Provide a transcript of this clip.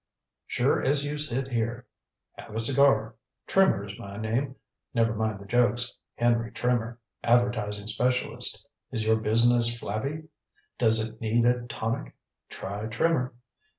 "Sure as you sit here. Have a cigar. Trimmer is my name never mind the jokes. Henry Trimmer. Advertising specialist. Is your business flabby? Does it need a tonic? Try Trimmer.